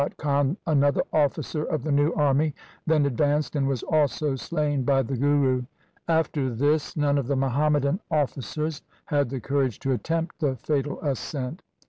Ghairat Khan, another officer of the new army, then advanced, and was also slain by the Guru. After this none of the Muhammadan officers had the courage to attempt the fatal ascent.